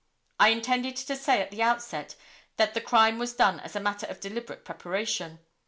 I intended to say at the outset that the crime was done as a matter of deliberate preparation.